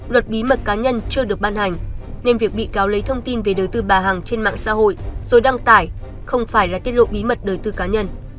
luật bí mật cá nhân chưa được ban hành nên việc bị cáo lấy thông tin về đời tư bà hằng trên mạng xã hội rồi đăng tải không phải là tiết lộ bí mật đời tư cá nhân